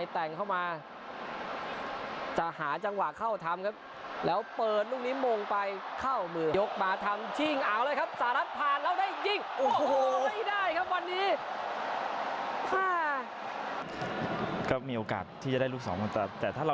ยังดักเอาไว้ได้ครับธีรธร